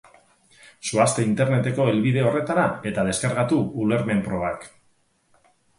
Zoazte Interneteko helbide horretara eta deskargatu ulermen-probak.